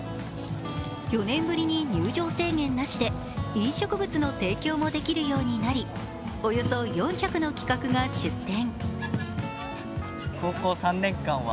４年ぶりに入場制限なしで飲食物の提供もできるようになりおよそ４００の企画が出展。